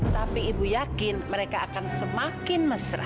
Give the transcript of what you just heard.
tapi ibu yakin mereka akan semakin mesra